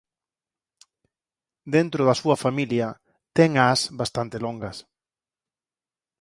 Dentro da súa familia ten ás bastante longas.